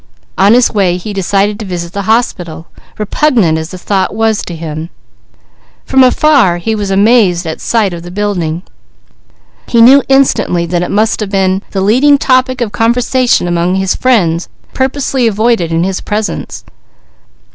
On his way he decided to visit the hospital, repugnant as the thought was to him. From afar he was amazed at sight of the building. He knew instantly that it must have been the leading topic of conversation among his friends purposely avoided in his presence.